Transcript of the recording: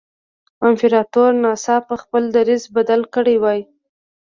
امپراتور ناڅاپه خپل دریځ بدل کړی وای.